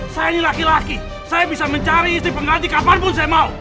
saya ini laki laki saya bisa mencari istri pengganti kapanpun saya mau